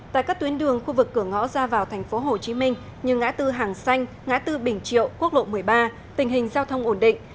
tại các tuyến đường khu vực cửa ngõ ra vào tp hcm như ngã tư hàng xanh ngã tư bình triệu quốc lộ một mươi ba tình hình giao thông ổn định